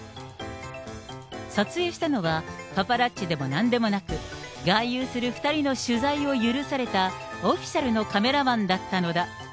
撮影したのはパパラッチでもなんでもなく、外遊する２人の取材を許された、オフィシャルのカメラマンだったのだ。